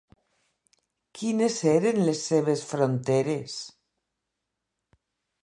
Quines eren les seves fronteres?